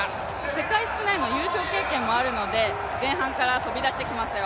世界室内の優勝経験もあるので前半から飛び出してきますよ。